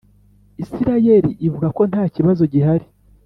Isirayeli ivuga ko ntakibazo gihari.